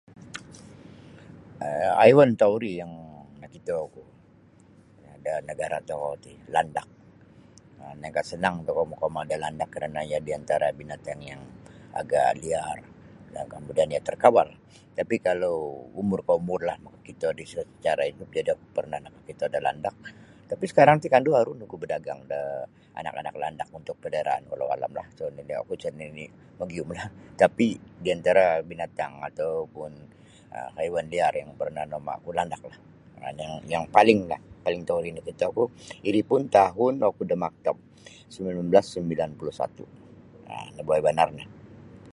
um Haiwan tauri yang nakitoku da nagara tokou ti landak um lainkah senang tokou makauma da landak kerana iyo binatang yang agak liar dan kemudian iyo terkawal. Tapi kalau umur kah umurlah makakito disyo cara pernah nakakito da landak tapi sekarang ti kandu aru nogu badagang da anak-anak landak untuk paliaraan walahualamlah oku sa nini magiyumlah tapi di antara binatang atau pun haiwan liar yang pernah nauma'ku landaklah. um Ino yang palinglah paling tauri nakitoku iri pun tahun oku da maktab 1991 um nabuwai banar nio.